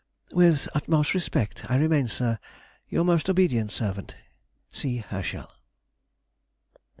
With the utmost respect, I remain, sir, Your most obedient servant, C. HERSCHEL.